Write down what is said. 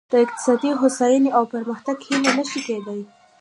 د اقتصادي هوساینې او پرمختګ هیله نه شي کېدای.